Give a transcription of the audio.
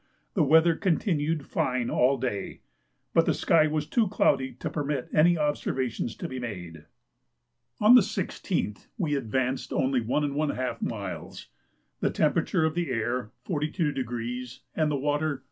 the weather continued fine all day, but the sky was too cloudy to permit any observations to be made. On the 16th we advanced only 1½ miles. The temperature of the air 42° and the water 34°.